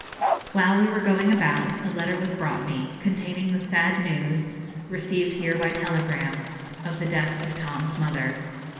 While we were going about, a letter was brought me, containing the sad news (received here by telegram) of the death of Tom's mother.